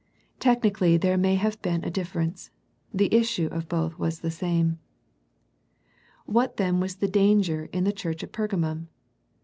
Technically there may have been a difference. The issue of both was the same. What then was the danger in the church at Pergamum?